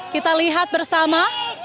kita lihat bersama